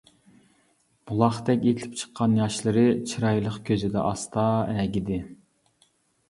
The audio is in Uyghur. بولاقتەك ئېتىلىپ چىققان ياشلىرى، چىرايلىق كۆزىدە ئاستا ئەگىدى.